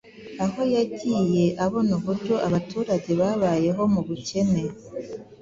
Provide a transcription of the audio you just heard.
aho yagiye abona uburyo abaturage babayeho mu bukene,